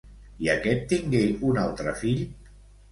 I aquest tingué un altre fill?